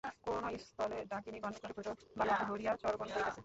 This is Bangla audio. কোন স্থলে ডাকিনীগণ ক্ষুদ্র ক্ষুদ্র বালক ধরিয়া চর্বণ করিতেছে।